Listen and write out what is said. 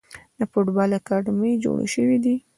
د فوټبال اکاډمۍ جوړې شوي دي.